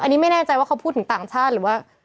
อันนี้ไม่แน่ใจว่าเขาพูดถึงต่างชาติหรือว่า